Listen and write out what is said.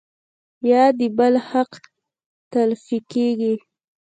يا د بل حق تلفي کيږي